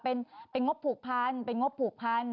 เป็นงบผูกพันเป็นงบผูกพัน